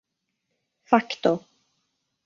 fakto